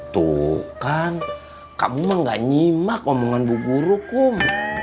tuh kan kamu mah nggak nyima ke omongan bu guru kum